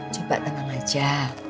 coba tenang aja